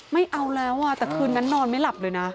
ไม่เอาแล้วแต่คืนนั้นนอนไม่หลับเลยนะ